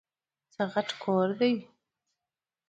څه غټ کور دی ؟!